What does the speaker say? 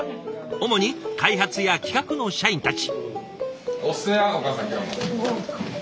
主に開発や企画の社員たち。